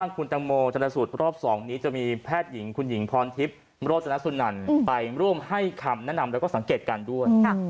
คุณตังโมชนสูตรรอบ๒นี้จะมีแพทย์หญิงคุณหญิงพรทิพย์โรจนสุนันไปร่วมให้คำแนะนำแล้วก็สังเกตการณ์ด้วย